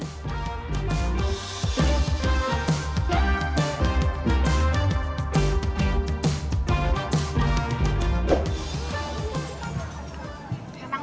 kalo mau makan coba makan di sini